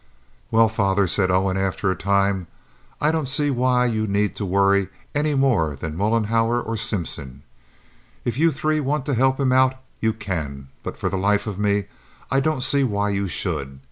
"Well, father," said Owen, after a time, "I don't see why you need to worry any more than Mollenhauer or Simpson. If you three want to help him out, you can; but for the life of me I don't see why you should.